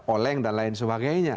oleng dan lain sebagainya